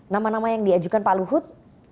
nama nama yang diajukan pak luhut